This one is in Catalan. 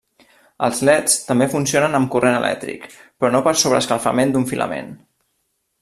Els leds també funcionen amb corrent elèctric però no per sobreescalfament d'un filament.